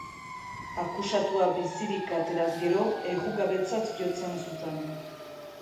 Akusatua bizirik ateraz gero, errugabetzat jotzen zuten.